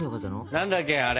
何だっけあれ。